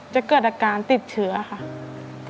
จะเกิดอาการติดเชื้อค่ะ